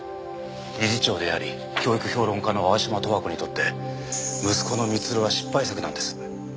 理事長であり教育評論家の青嶋都和子にとって息子の光留は失敗作なんです。